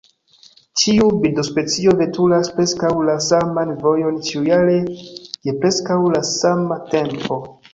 Ĉiu birdospecio veturas preskaŭ la saman vojon ĉiujare, je preskaŭ la sama tempo.